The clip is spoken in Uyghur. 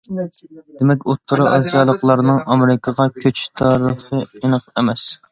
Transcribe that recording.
دېمەك ئوتتۇرا ئاسىيالىقلارنىڭ ئامېرىكىغا كۆچۈش تارىخى ئېنىق ئەمەس.